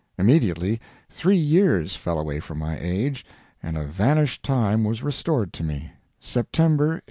Immediately three years fell away from my age, and a vanished time was restored to me—September, 1867.